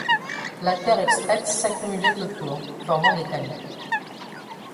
La terre extraite s’accumulait autour, formant des talus.